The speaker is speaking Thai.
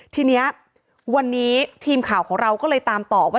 ทีนี้วันนี้ทีมข่าวของเราก็เลยตามต่อว่า